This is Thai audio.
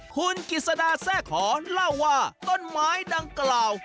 คุณกิจสดาแทร่ขอเล่าว่าต้นไม้ดังกล่าว